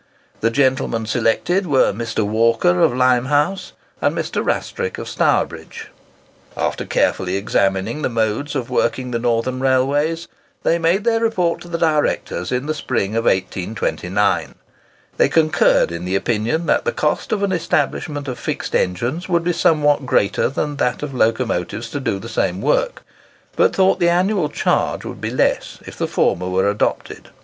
The gentlemen selected were Mr. Walker of Limehouse, and Mr. Rastrick of Stourbridge. After carefully examining the modes of working the northern railways, they made their report to the directors in the spring of 1829. They concurred in the opinion that the cost of an establishment of fixed engines would be somewhat greater than that of locomotives to do the same work; but thought the annual charge would be less if the former were adopted.